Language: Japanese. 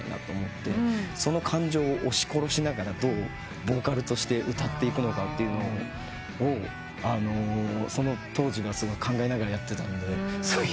その感情を押し殺しながらどうボーカルとして歌っていくのかをその当時はすごい考えながらやってたので。